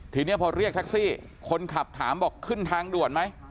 ทีนี้พอเรียกแท็กซี่คนขับถามบอกขึ้นทางด่วนไหม